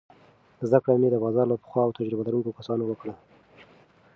زده کړه مې د بازار له پخو او تجربه لرونکو کسانو وکړه.